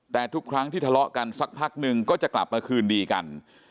แต่ทุกครั้งที่ทะเลาะกันสักพักนึงก็จะกลับมาคืนดีกัน